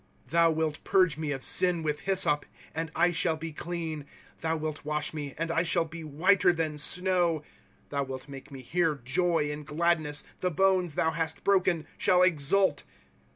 ^ Thou wilt piirge me of sin with hyssop, and I shall be clean ; Tliou wilt wash me, and I shall be whiter than snow. « Thou wilt make me hear joy and gladness ; The bonea thou hast broken shall exult.